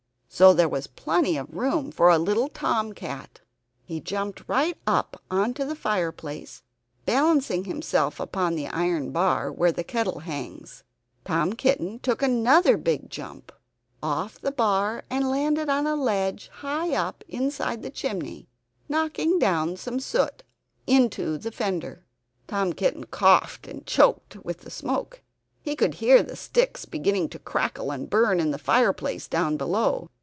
So there was plenty of room for a little Tom Cat. He jumped right up into the fireplace, balancing himself upon the iron bar where the kettle hangs. Tom Kitten took another big jump off the bar and landed on a ledge high up inside the chimney, knocking down some soot into the fender. Tom Kitten coughed and choked with the smoke; he could hear the sticks beginning to crackle and burn in the fireplace down below.